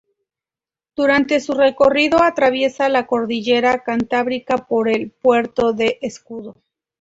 Durante su recorrido, atraviesa la cordillera Cantábrica por el puerto del Escudo.